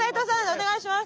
お願いします。